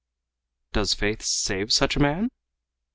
"Does faith save such a man?"